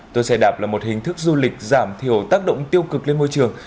tour xe đạp là một hình thức du lịch giảm thiểu tác động tiêu cực lên môi trường